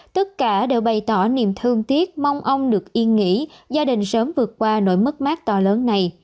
tất cả đều bày tỏ niềm thương tiếc mong ông được yên nghĩ gia đình sớm vượt qua nỗi mất mát to lớn này